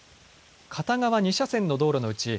片側２車線の道路のうち